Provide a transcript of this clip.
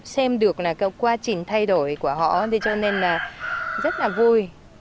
xem được quá trình thay đổi của họ cho nên rất là vui